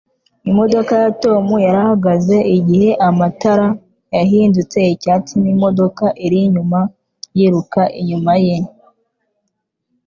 Imodoka ya Tom yarahagaze igihe amatara yahindutse icyatsi n'imodoka iri inyuma yiruka inyuma ye